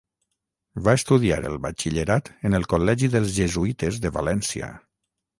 Va estudiar el batxillerat en el Col·legi dels Jesuïtes de València.